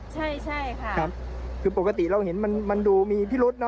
ใช่ใช่ค่ะครับคือปกติเราเห็นมันมันดูมีพิรุษเนอ